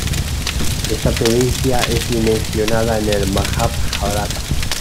Esta provincia es muy mencionada en el "Majábharata".